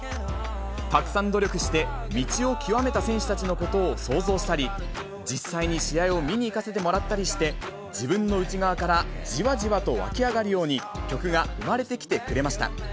たくさん努力して道を極めた選手たちのことを想像したり、実際に試合を見に行かせてもらったりして、自分の内側からじわじわと湧き上がるように曲が生まれてきてくれました。